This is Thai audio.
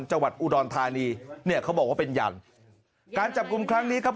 จังหวัดอุดรธานีเนี่ยเขาบอกว่าเป็นยันการจับกลุ่มครั้งนี้ครับ